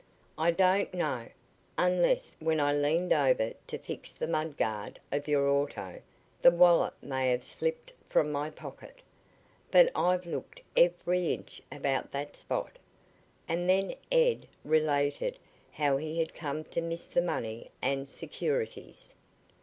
"I don't know, unless when I leaned over to fix the mud guard of your auto the wallet may have slipped from my pocket. But I've looked every inch about that spot," and then Ed related how he had come to miss the money and securities.